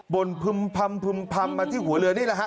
่นพึ่มพำมาที่หัวเรือนี่แหละฮะ